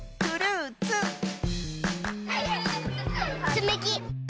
つみき。